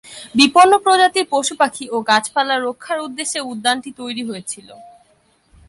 বিপন্ন প্রজাতির পশু-পাখি ও গাছপালা রক্ষার উদ্দেশ্যে উদ্যানটি তৈরি হয়েছিল।